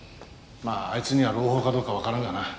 まああいつには朗報かどうかわからんがな。